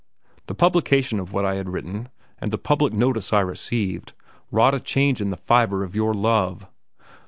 The publication of what I had written, and the public notice I received, wrought a change in the fibre of your love.